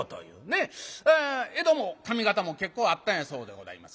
江戸も上方も結構あったんやそうでございます。